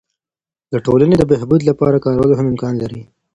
د ټولني د بهبود لپاره کارول هم امکان لري.